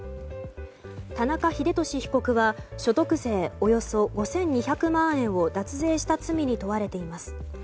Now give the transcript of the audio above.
田中英寿被告は所得税およそ５２００万円を脱税した罪に問われています。